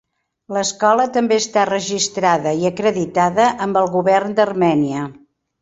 L'escola també està registrada i acreditada amb el govern d'Armènia.